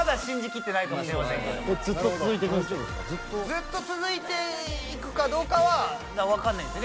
ずっと続いていくかどうかはわかんないんですよね。